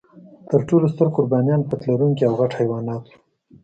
تر ټولو ستر قربانیان پت لرونکي او غټ حیوانات و.